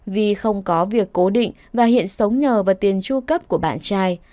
vi không có việc cố định và hiện sống nhờ vào tiền tru cấp của bạn trai